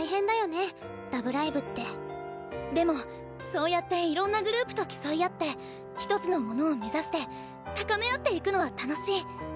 でもそうやっていろんなグループと競い合って一つのものを目指して高め合っていくのは楽しい。